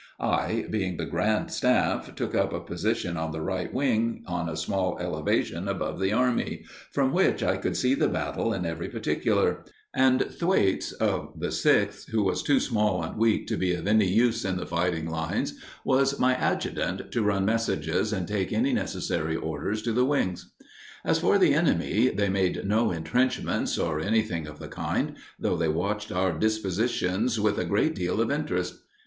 I, being the Grand Staff, took up a position on the right wing on a small elevation above the army, from which I could see the battle in every particular; and Thwaites, of the Sixth, who was too small and weak to be of any use in the fighting lines, was my adjutant to run messages and take any necessary orders to the wings. As for the enemy, they made no entrenchments or anything of the kind, though they watched our dispositions with a great deal of interest.